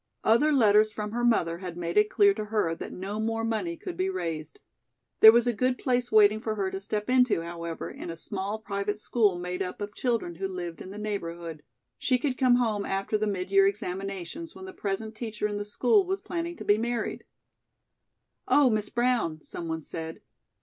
Other letters from her mother had made it clear to her that no more money could be raised. There was a good place waiting for her to step into, however, in a small private school made up of children who lived in the neighborhood. She could come home after the mid year examinations when the present teacher in the school was planning to be married. "Oh, Miss Brown," someone said.